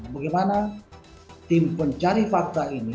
bagaimana tim pencari fakta ini